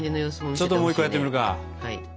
ちょっともう１個やってみるか。